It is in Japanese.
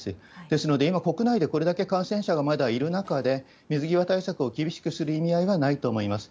ですので、今、国内でこれだけ感染者がまだいる中で、水際対策を厳しくする意味合いはないと思います。